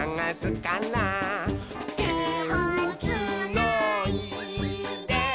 「てをつないで」